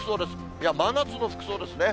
いや、真夏の服装ですね。